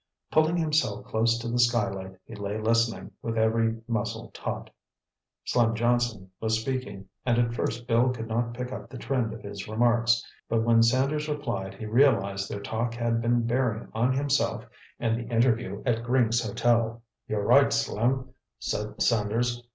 Pulling himself close to the skylight, he lay listening, with every muscle taut. Slim Johnson was speaking, and at first Bill could not pick up the trend of his remarks. But when Sanders replied, he realized their talk had been bearing on himself and the interview at Gring's Hotel. "You're right, Slim," said Sanders.